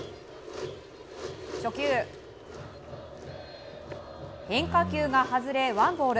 初球変化球が外れ、ワンボール。